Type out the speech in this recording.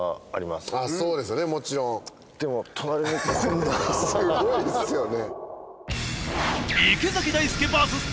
すごいですよね。